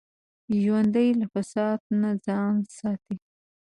ژوندي له فساد نه ځان ساتي